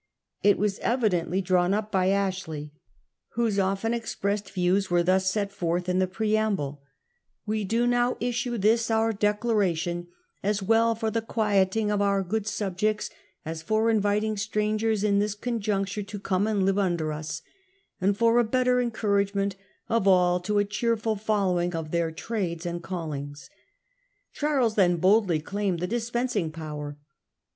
It was evidently drawn up by Ashley, whose often ex pressed views were thus set forth in the preamble :' We do now issue this our Declaration, as well for the quieting of our good subjects as for inviting strangers in this con juncture to come and live under us, and for a better en couragement of all to a cheerful following of their trades and callings.' Charles then boldly claimed the dispensing Charles power.